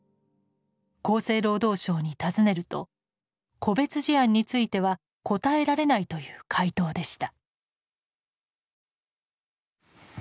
厚生労働省に尋ねると「個別事案については答えられない」という回答でした。